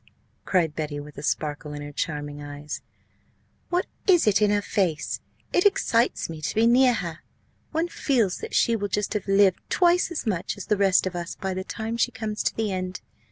cried Betty, with a sparkle in her charming eyes; "what is it in her face? It excites me to be near her. One feels that she will just have lived twice as much as the rest of us by the time she comes to the end.